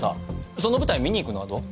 その舞台見に行くのはどう？